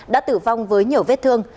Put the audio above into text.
đã tử vong với nhiều vết thương